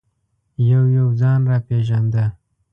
یو یو ځان را پېژانده.